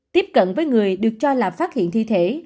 tiếp cận với người được cho là phát hiện thi thể